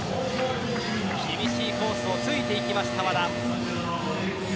厳しいコースを突いていきました和田。